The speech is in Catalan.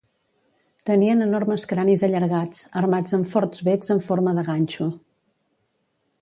Tenien enormes cranis allargats, armats amb forts becs en forma de ganxo.